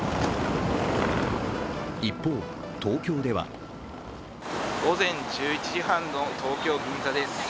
一方、東京では午前１１時半の東京・銀座です。